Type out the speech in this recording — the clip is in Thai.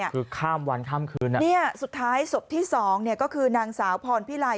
คือข้ามวันข้ามคืนอ่ะเนี่ยสุดท้ายศพที่สองเนี่ยก็คือนางสาวพรพิไล